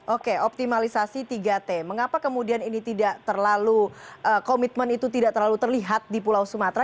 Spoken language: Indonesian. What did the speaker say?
oke optimalisasi tiga t mengapa kemudian ini tidak terlalu komitmen itu tidak terlalu terlihat di pulau sumatera